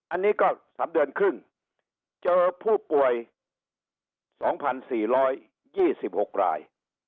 อันนี้ก็๓เดือนครึ่งเจอผู้ป่วย๒๔๒๖ราย